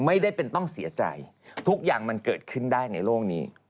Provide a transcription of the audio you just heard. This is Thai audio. ไม่ได้เป็นต้องเสียใจทุกอย่างมันเกิดขึ้นได้ในโลกนี้